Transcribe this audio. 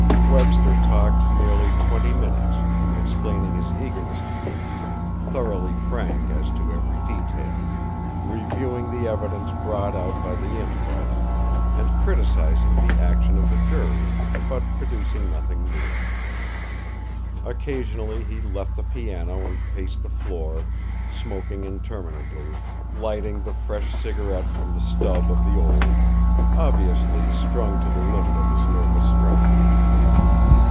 Webster talked nearly twenty minutes, explaining his eagerness to be "thoroughly frank as to every detail," reviewing the evidence brought out by the inquest, and criticising the action of the jury, but producing nothing new. Occasionally he left the piano and paced the floor, smoking interminably, lighting the fresh cigarette from the stub of the old, obviously strung to the limit of his nervous strength.